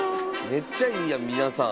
めっちゃいい皆さん。